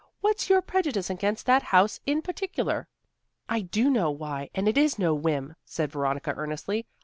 What's your prejudice against that house in particular?" "I do know why; and it is no whim," said Veronica, earnestly.